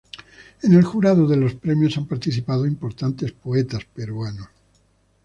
En el jurado de los premios han participado importantes poetas peruanos.